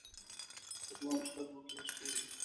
په دواړو سترګو کې یې ستوري